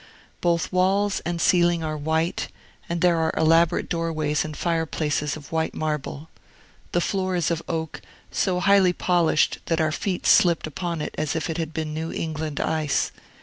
Both walls and ceiling are white, and there are elaborate doorways and fireplaces of white marble. The floor is of oak, so highly polished that our feet slipped upon it as if it had been New England ice.